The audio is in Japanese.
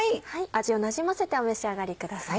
味をなじませてお召し上がりください。